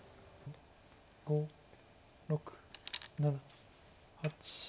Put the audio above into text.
５６７８。